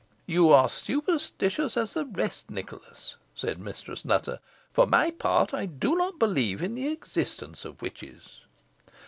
"You are superstitious as the rest, Nicholas," said Mistress Nutter. "For my part I do not believe in the existence of witches."